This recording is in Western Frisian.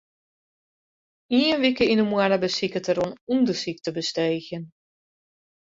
Ien wike yn 'e moanne besiket er oan ûndersyk te besteegjen.